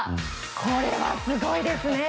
これはすごいですね。